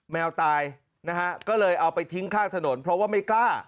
แมวตายนะฮะก็เลยเอาไปทิ้งข้างถนนเพราะว่าไม่กล้า